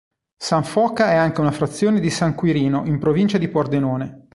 San Foca è anche una frazione di San Quirino in Provincia di Pordenone.